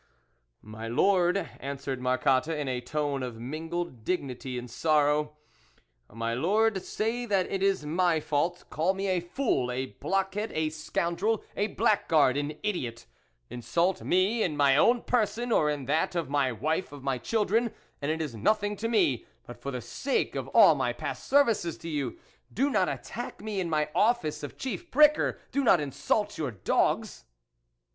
" My Lord," answered Marcotte, in a tone of mingled dignity and sorrow, " My Lord, say that it is my fault, call me a fool, a blockhead, a scoundrel, a black guard, an idiot ; insult me in my own person, or in that of my wife, of my children, and it is nothing to me ; but for the sake of all my past services to you, do not attack me in my office of chief pricker, do not insult your dogs."